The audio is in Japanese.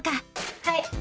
はい。